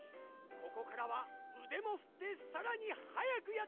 ここからはうでもふってさらにはやくやってみるっち！